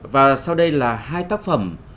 và sau đây là hai tác phẩm